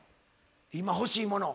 今欲しいもの。